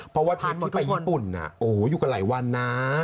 เพราะว่าทริปที่ไปญี่ปุ่นอยู่กันหลายวันนะ